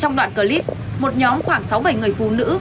trong đoạn clip một nhóm khoảng sáu bảy người phụ nữ